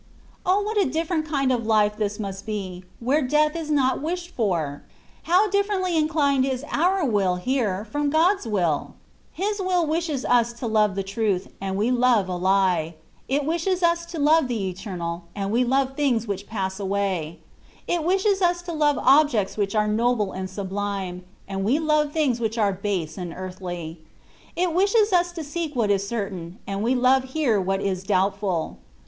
O ! what a different kind of life must this be, where death is not wished for ! How differently inclined is our will here, from God's will ! His will wishes us to love the truth, and we love a lie ; it wishes us to love the Eternal, and we love things which pass away; it wishes us to love objects which are noble and sublime, and we love things which are base and earthly ; it wishes us to seek what is certain, and we love here what m doubtful.